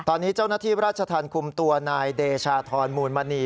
ตอนนี้เจ้าหน้าที่ราชธรรมคุมตัวนายเดชาธรมูลมณี